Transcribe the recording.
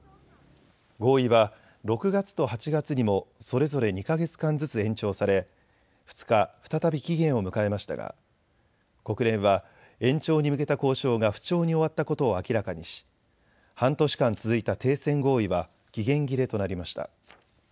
合意は６月と８月にもそれぞれ２か月間ずつ延長され２日、再び期限を迎えましたが国連は延長に向けた交渉が不調に終わったことを明らかにし、半年間続いた停戦合意は期限切れとなりました。